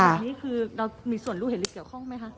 คือเรามีส่วนรู้เหล็กเกี่ยวข้องไหมคะ